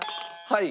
はい。